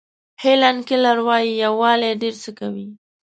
هیلن کیلر وایي یووالی ډېر څه کوي.